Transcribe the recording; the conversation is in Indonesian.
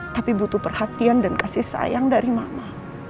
tapi butuh perhatian dan kasih sayang dari mama